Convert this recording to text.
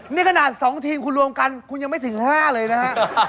นี่ขนาด๒ทีมคุณรวมกันคุณยังไม่ถึง๕เลยนะฮะ